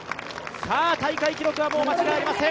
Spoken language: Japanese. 大会記録は間違いありません。